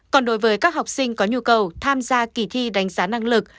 còn đối với các học sinh có nhu cầu tham gia kỳ thi đánh giá năng lực